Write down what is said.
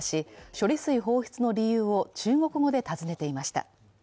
処理水放出の理由を中国語で尋ねていました。